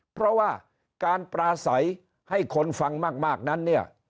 เพราะว่าการปราศัยให้คนฟังมากนั้นเนี่ย